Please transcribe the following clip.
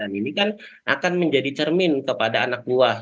dan ini kan akan menjadi cermin kepada anak buah